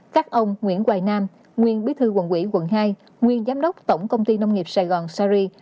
các ông nguyễn quài nam nguyên bí thư quần quỹ quận hai nguyên giám đốc tổng công ty nông nghiệp sài gòn sari